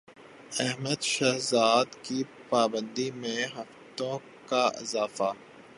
احمد شہزاد کی پابندی میں ہفتوں کا اضافہ